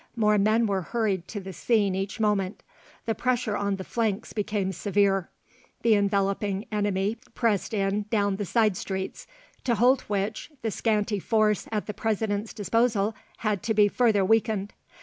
More men were hurried to the scene each moment; the pressure on the flanks became severe; the enveloping enemy pressed in down the side streets, to hold which the scanty force at the President's disposal had to be further weakened.